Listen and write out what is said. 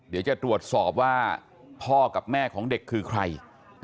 เดี๋ยวจะตรวจสอบว่าพ่อกับแม่ของเด็กคือใคร